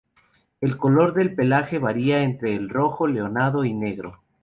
El color del pelaje varía entre el rojo, leonado y negro.